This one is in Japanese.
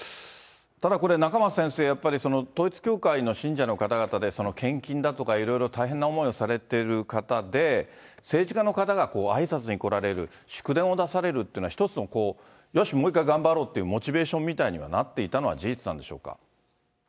ただこれ、仲正先生、やっぱり統一教会の信者の方々で、献金だとかいろいろ大変な思いをされている方で、政治家の方があいさつに来られる、祝電を出されるっていうのは、一つの、よし、もう一回頑張ろうってモチベーションみたいになっていたのは事実なんでしょうか。